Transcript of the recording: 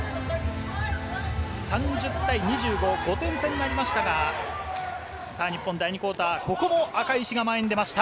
３０対２５、５点差になりましたが、日本、第２クオーター、ここも赤石が前に出ました。